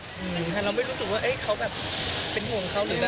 ค่ะเราไม่รู้สึกว่าเขาแบบเป็นห่วงเขาหรืออะไร